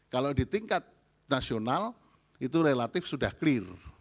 kalau di tingkat nasional itu relatif sudah clear